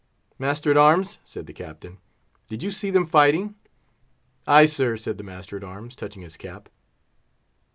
"Master at arms," said the Captain, "did you see them fighting?" "Ay, sir," said the master at arms, touching his cap.